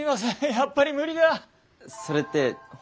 やっぱり無理だ！